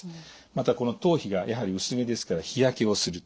またこの頭皮がやはり薄毛ですから日焼けをする。